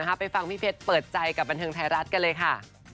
ไปฟังพี่เพชรเปิดใจกับบันเทิงไทยรัฐกันเลยค่ะ